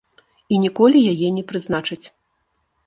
І ніколі яе не прызначаць.